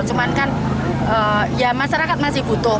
cuman kan ya masyarakat masih butuh